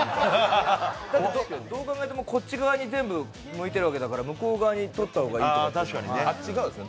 どう考えてもこっち側に全部向いているわけだから、向こう側にとった方がいいっていうのがあるよね。